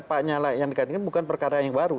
pak nyala yang dikaitkan bukan perkara yang baru